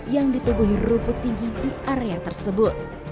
yang ditubuhi rumput tinggi di area tersebut